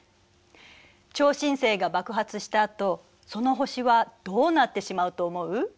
超新星が爆発したあとその星はどうなってしまうと思う？